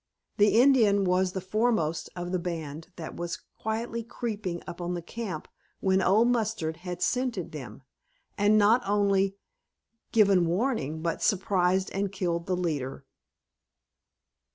The Indian was the foremost of the band that was quietly creeping up on the camp when Old Mustard had scented them, and not only given warning, but surprised and killed the leader.